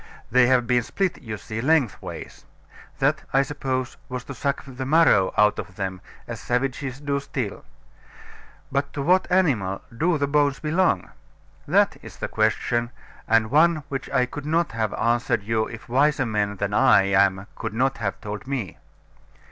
They have been split, you see, lengthways; that, I suppose, was to suck the marrow out of them, as savages do still. But to what animal do the bones belong? That is the question, and one which I could not have answered you, if wiser men than I am could not have told me.